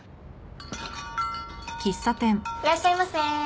いらっしゃいませ。